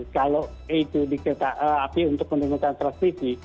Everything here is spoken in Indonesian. kalau itu di kereta api untuk menurunkan transmisi